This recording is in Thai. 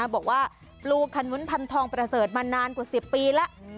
บอกว่าปลูกขนุนพันธองประเสริฐมานานกว่า๑๐ปีแล้ว